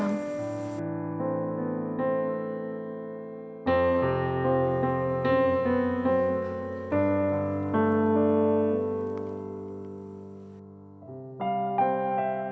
tapi menjual tubuhnya pada perangai yang sama dengan saya